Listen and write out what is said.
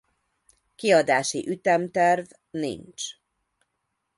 Kiadási ütemterv nincs.